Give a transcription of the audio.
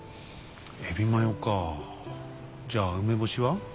エビマヨかあじゃあ梅干しは？